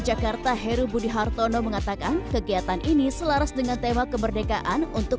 jakarta heru budi hartono mengatakan kegiatan ini selaras dengan tema kemerdekaan untuk